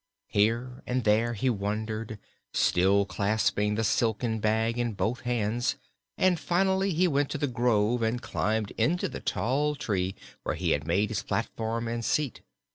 Here and there he wandered, still clasping the silken bag in both hands, and finally he went to the grove and climbed into the tall tree where he had made his platform and seat.